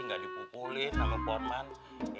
nggak dipukulin sama puan man